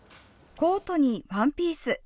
コートにワンピース。